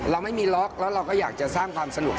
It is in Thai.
เราไม่มีล็อกแล้วเราก็อยากจะสร้างความสนุก